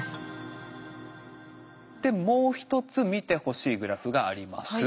もう一つ見てほしいグラフがあります。